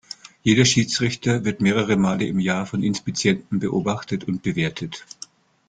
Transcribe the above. Jeder Schiedsrichter wird mehrere Male im Jahr von Inspizienten beobachtet und bewertet.